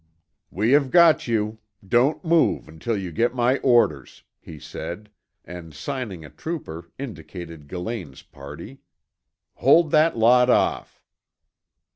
"We have got you! Don't move until you get my orders," he said, and signing a trooper, indicated Gillane's party. "Hold that lot off!"